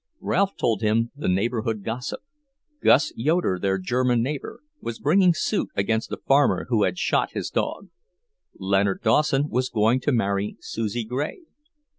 Ralph told him the neighbourhood gossip: Gus Yoeder, their German neighbour, was bringing suit against a farmer who had shot his dog. Leonard Dawson was going to marry Susie Grey.